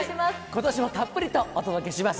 ことしもたっぷりとお届けします。